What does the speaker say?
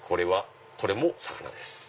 これも魚です。